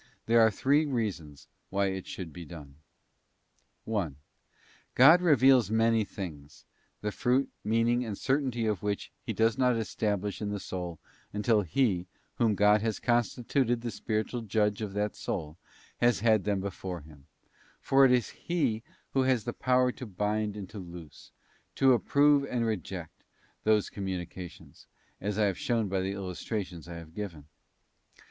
There are three reasons why it should be done: 1. God reveals many things, the fruit, meaning, and certainty of which He does not establish in the soul until _ he, whom God has constituted the spiritual judge of that soul, has had them before him; for it is he who has the power to bind and to loose, to approve and reject, those com munications, as I have shown by the illustrations I have given.